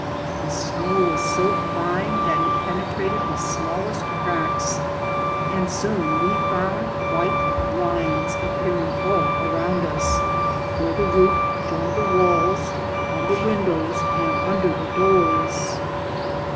The snow was so fine that it penetrated the smallest cracks, and soon we found white lines appearing all around us, where the roof joined the walls, on the windows and under the doors.